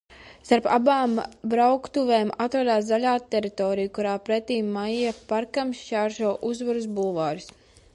Starp abām brauktuvēm atrodas zaļā teritorija, kuru pretīm Maija parkam šķērso Uzvaras bulvāris.